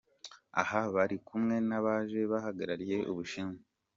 Aha bari kumwe n'abaje bahagarariye u Bushinwa.